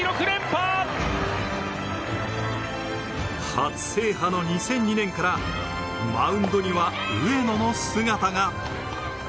初制覇の２００２年からマウンドには上野の姿が。